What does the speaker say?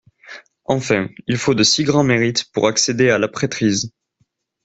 Enfin: il faut de si grands mérites pour accéder à la prêtrise.